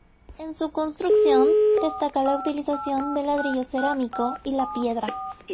En su construcción destaca la utilización del ladrillo cerámico y la piedra.